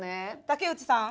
竹内さん。